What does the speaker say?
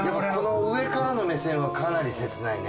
上からの目線はかなり切ないね。